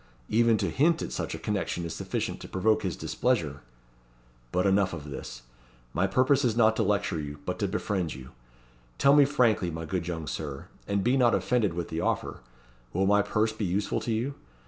Even to hint at such a connection is sufficient to provoke his displeasure! But enough of this. My purpose is not to lecture you, but to befriend you. Tell me frankly, my good young Sir and be not offended with the offer will my purse be useful to you?